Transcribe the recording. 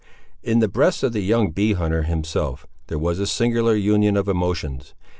In the breast of the young bee hunter himself, there was a singular union of emotions.